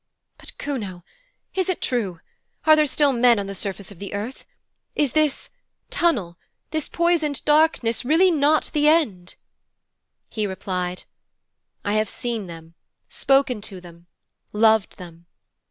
'But Kuno, is it true? Are there still men on the surface of the earth? Is this tunnel, this poisoned darkness really not the end?' He replied: 'I have seen them, spoken to them, loved them.